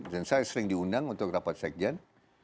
dan saya sering diundang untuk rapat sekjen